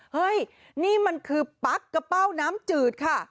เฮ้ยนี่มันคือปั๊กกระเป้าน้ำจืดค่ะ